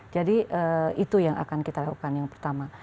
jadi itu yang akan kita lakukan yang pertama